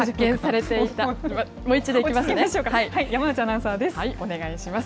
山内アナウンサーです。